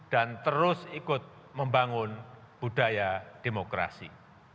dan terus ikut membangun budaya demokrasi